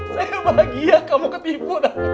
saya bahagia kamu ketipu